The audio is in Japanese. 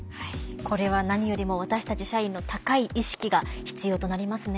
これは何よりも私たち社員の高い意識が必要となりますね。